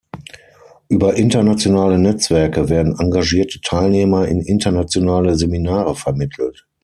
Über internationale Netzwerke werden engagierte Teilnehmer in internationale Seminare vermittelt.